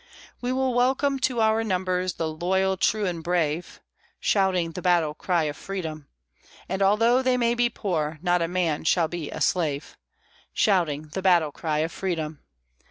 We will welcome to our numbers the loyal, true, and brave, Shouting the battle cry of freedom, And altho' they may be poor, not a man shall be a slave, Shouting the battle cry of freedom.